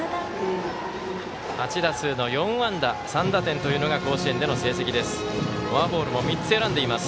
８打数の４安打３打点というのが甲子園での成績です。